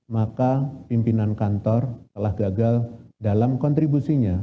maka pimpinan kantor telah gagal dalam kontribusinya